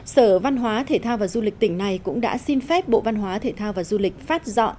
sở văn hóa thể thao và du lịch tỉnh này cũng đã xin phép bộ văn hóa thể thao và du lịch phát dọn